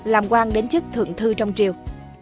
làm quang đến chức thượng thư trong triều